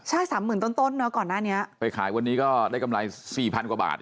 ใช่สามหมื่นต้นต้นเนอะก่อนหน้านี้ไปขายวันนี้ก็ได้กำไรสี่พันกว่าบาท